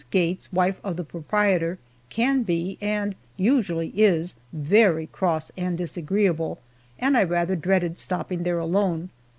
Gates, wife of the proprietor, can be, and usually is, very cross and disagreeable, and I rather dreaded stopping there alone.